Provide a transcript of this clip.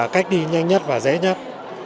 cách đi nhanh nhất và dễ nhất